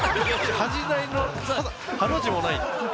恥じらいのハの字もない。